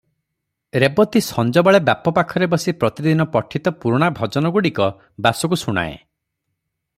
ରେବତୀ ସଞ୍ଜବେଳେ ବାପ ପାଖରେ ବସି ପ୍ରତିଦିନ ପଠିତ ପୁରୁଣା ଭଜନଗୁଡ଼ିକ ବାସୁକୁ ଶୁଣାଏ ।